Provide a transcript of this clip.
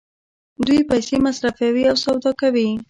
دوی پیسې مصرفوي او سودا کوي.